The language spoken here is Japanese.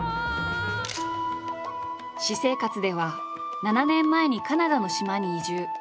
私生活では７年前にカナダの島に移住。